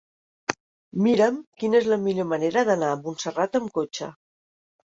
Mira'm quina és la millor manera d'anar a Montserrat amb cotxe.